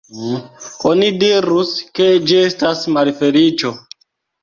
Oni dirus, ke ĝi estas malfeliĉo.